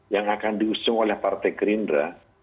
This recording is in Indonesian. yang akan diusung oleh partai gerindra